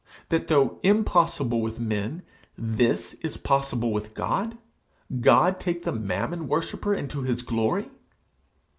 that, though impossible with men, this is possible with God? God take the Mammon worshipper into his glory!